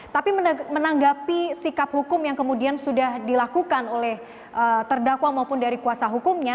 tapi menanggapi sikap hukum yang kemudian sudah dilakukan oleh terdakwa maupun dari kuasa hukumnya